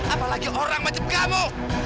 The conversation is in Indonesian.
apalagi orang macam kamu